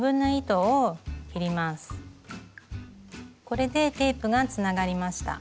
これでテープがつながりました。